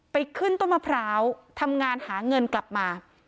ขึ้นต้นมะพร้าวทำงานหาเงินกลับมา